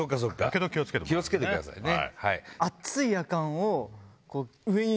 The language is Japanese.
気を付けてくださいね。